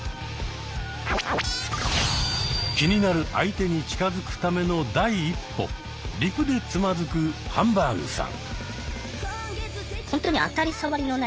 気になる相手に近づくための第一歩「リプ」でつまずくハンバーグさん。